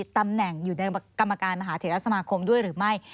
ตำแหน่งอยู่ในกรรมการมหาเถระสมาคมด้วยหรือไม่